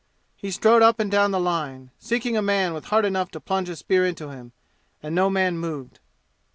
He strode up and down the line, seeking a man with heart enough to plunge a spear into him, and no man moved.